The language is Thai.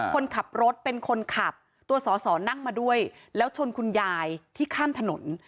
คนขับรถเป็นคนขับตัวสอสอนั่งมาด้วยแล้วชนคุณยายที่ข้ามถนน